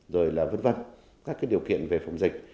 rồi là vân vân các điều kiện về phòng dịch